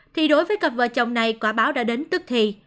thì đối với cặp vợ chồng này quả báo đã đến tức thì